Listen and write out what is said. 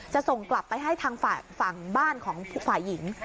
ส่งกลับไปให้ทางฝั่งบ้านของฝ่ายหญิง